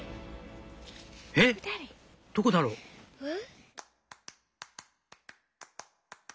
「えっどこだろう？」